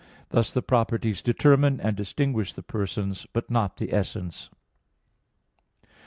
Thus the properties determine and distinguish the persons, but not the essence.